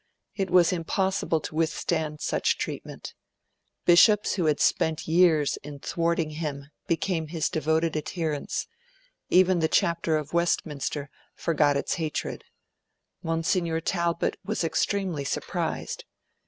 It was impossible to withstand such treatment. Bishops who had spent years in thwarting him became his devoted adherents; even the Chapter of Westminster forgot its hatred. Monsignor Talbot was extremely surprised.